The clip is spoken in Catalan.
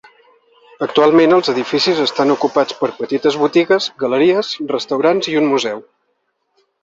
Actualment els edificis estan ocupats per petites botigues, galeries, restaurants i un museu.